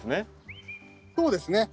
そうですね。